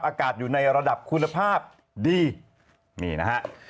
อากาศอยู่ในระดับคุณภาพดีนี่นะฮะ